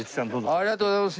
ありがとうございます。